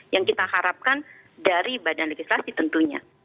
yang kita harapkan dari badan legislasi tentunya